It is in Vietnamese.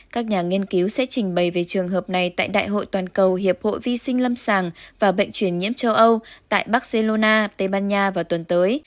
các nhà nghiên cứu sẽ trình bày về trường hợp này tại đại hội toàn cầu hiệp hội vi sinh lâm sàng và bệnh truyền nhiễm châu âu tại barcelona tây ban nha vào tuần tới